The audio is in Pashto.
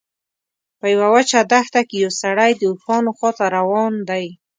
په یوه وچه دښته کې یو سړی د اوښانو خواته روان دی.